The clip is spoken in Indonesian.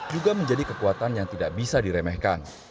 juga menjadi kekuatan yang tidak bisa diremehkan